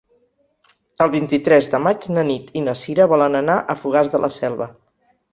El vint-i-tres de maig na Nit i na Sira volen anar a Fogars de la Selva.